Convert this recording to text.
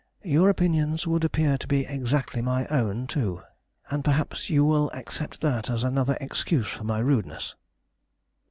Your opinions would appear to be exactly my own, too, and perhaps you will accept that as another excuse for my rudeness."